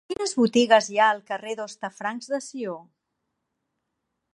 Quines botigues hi ha al carrer d'Hostafrancs de Sió?